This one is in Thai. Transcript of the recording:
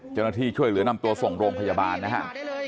เจ้าหน้าที่ช่วยเหลือนำตัวส่งโรงพยาบาลนะฮะ